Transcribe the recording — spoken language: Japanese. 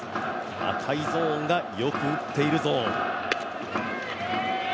赤いゾーンがよく打っているゾーン。